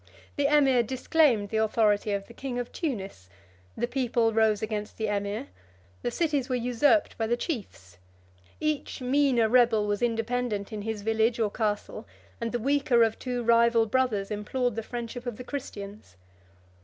21 The emir disclaimed the authority of the king of Tunis; the people rose against the emir; the cities were usurped by the chiefs; each meaner rebel was independent in his village or castle; and the weaker of two rival brothers implored the friendship of the Christians.